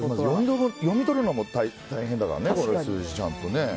読み取るのも大変だからね数字をちゃんとね。